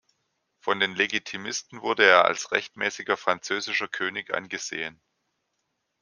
Von den Legitimisten wurde er als rechtmäßiger französischer König angesehen.